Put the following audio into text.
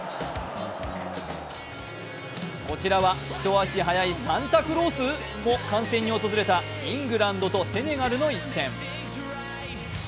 こちらは一足早いサンタクロースも観戦に訪れたイングランドとセネガルの一戦。